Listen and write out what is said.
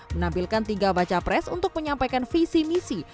menampilkan tiga baca pres untuk menyampaikan visi misi